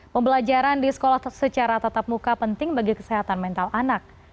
pembelajaran di sekolah secara tatap muka penting bagi kesehatan mental anak